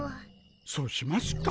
そうしますか！